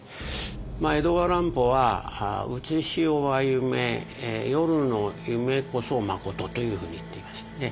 江戸川乱歩は「うつし世は夢夜の夢こそまこと」というふうに言っていましたね。